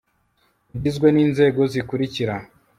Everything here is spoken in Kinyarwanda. rugizwe n inzego zikurikira